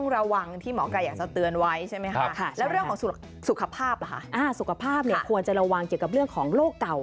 ระวังเกี่ยวกับเรื่องของโรคเก่า